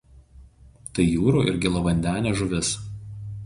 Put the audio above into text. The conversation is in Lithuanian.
Tai jūrų ir gėlavandenė žuvis.